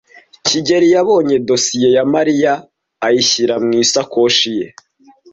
kigeli yabonye dosiye ya Mariya ayishyira mu isakoshi ye.